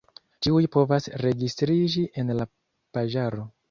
Ĉiuj povas registriĝi en la paĝaro.